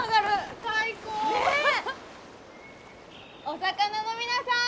お魚の皆さん